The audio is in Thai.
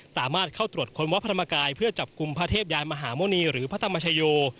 สามารถเข้าตรวจค้นวัดพระธรรมกายเพื่อจับกลุ่มพระเทพยานมหาหมุณีหรือพระธรรมชโย